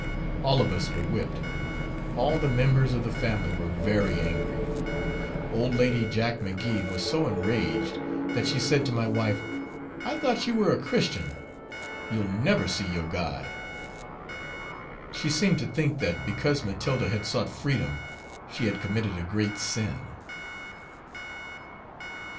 All of us were whipped. All the members of the family were very angry. Old Lady Jack McGee was so enraged that she said to my wife: "I thought you were a Christian. You'll never see your God." She seemed to think that because Matilda had sought freedom she had committed a great sin.